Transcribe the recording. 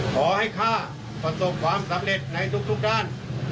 ข้าประสบความสำเร็จในทุกด้าน